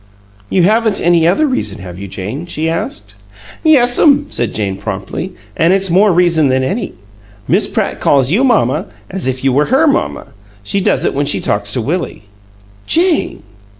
"You haven't any other reason, have you, Jane?" she asked. "Yes'm," said Jane, promptly. "An' it's a more reason than any! Miss Pratt calls you 'mamma' as if you were HER mamma. She does it when she talks to Willie." "Jane!"